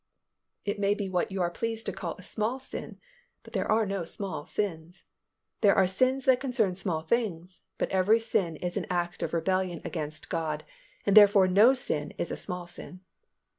It may be what you are pleased to call a small sin, but there are no small sins. There are sins that concern small things, but every sin is an act of rebellion against God and therefore no sin is a small sin.